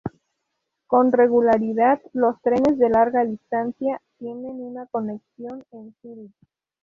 Con regularidad, los trenes de larga distancia tienen una conexión en Zúrich.